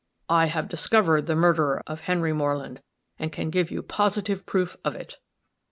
_I have discovered the murderer of Henry Moreland, and can give you positive proof of it!